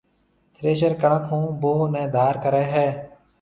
ٿريشر ڪڻڪ هون ڀوه نَي ڌار ڪريَ هيَ۔